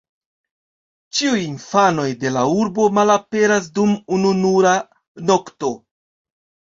Ĉiuj infanoj de la urbo malaperas dum ununura nokto.